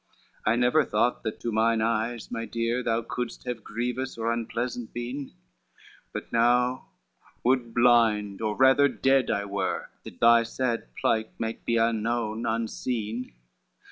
CVI "I never thought that to mine eyes, my dear, Thou couldst have grievous or unpleasant been; But now would blind or rather dead I were, That thy sad plight might be unknown, unseen!